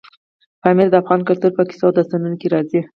پامیر د افغان کلتور په کیسو او داستانونو کې راځي.